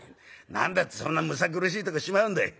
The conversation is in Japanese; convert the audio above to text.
何だってそんなむさ苦しいとこしまうんだい？」。